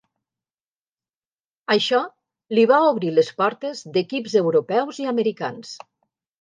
Això li va obrir les portes d'equips europeus i americans.